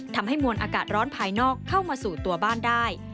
ทำให้มวลอากาศร้อนภายนอกเข้ามาสู่ตัวบ้านได้